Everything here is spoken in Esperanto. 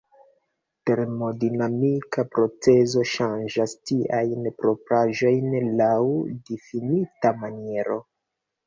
Termodinamika procezo ŝanĝas tiajn propraĵojn laŭ difinita maniero.